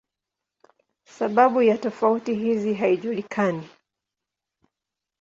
Sababu ya tofauti hizi haijulikani.